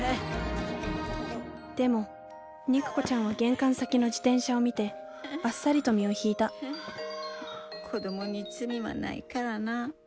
でも肉子ちゃんは玄関先の自転車を見てあっさりと身を引いた子供に罪はないからな。